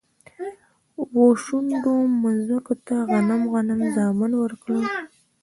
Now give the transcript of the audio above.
و، شنډو مځکوته غنم، غنم زامن ورکړه